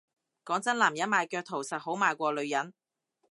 講真男人賣腳圖實好賣過女人